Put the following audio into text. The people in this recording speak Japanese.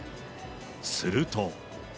すると。